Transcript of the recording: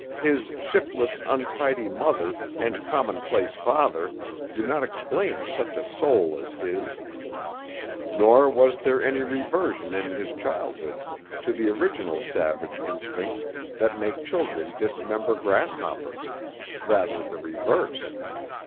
His shiftless, untidy mother and commonplace father do not explain such a soul as his; nor was there any reversion in his childhood to the original savage instincts that make children dismember grasshoppers rather the reverse.